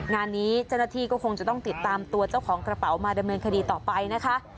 งานนี้เจ้าหน้าที่ก็คงจะต้องติดตามตัวเจ้าของกระเป๋ามาดำเนินคดีต่อไปนะคะ